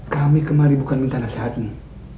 kami kemari bukan minta nasihatnya